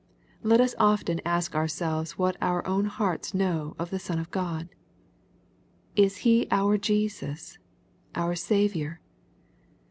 Let us often ask ourselves what our own hearts know of the Son of God. Is He our Jesus, our Saviour